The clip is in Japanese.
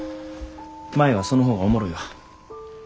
舞はその方がおもろいわ。